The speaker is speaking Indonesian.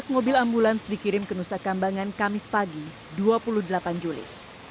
lima belas mobil ambulans dikirim ke nusa kambangan kamis pagi dua puluh delapan juli